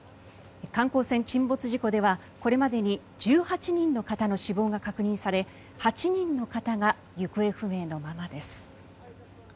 観光船沈没事故ではこれまでに１８人の方の死亡が確認され８人の方が行方不明のままです。